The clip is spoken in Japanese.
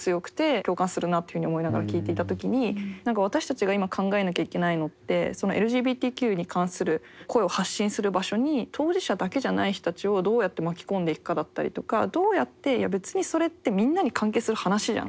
共感するなっていうふうに思いながら聞いていた時に何か私たちが今考えなきゃいけないのってＬＧＢＴＱに関する声を発信する場所に当事者だけじゃない人たちをどうやって巻き込んでいくかだったりとかどうやっていや別にそれってみんなに関係する話じゃん